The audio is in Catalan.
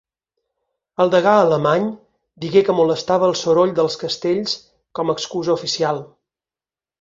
El degà Alemany digué que molestava el soroll dels castells com a excusa oficial